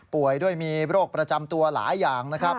ด้วยมีโรคประจำตัวหลายอย่างนะครับ